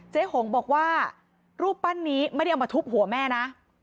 หงบอกว่ารูปปั้นนี้ไม่ได้เอามาทุบหัวแม่นะ